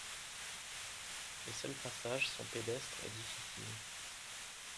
Les seuls passages sont pédestres et difficiles.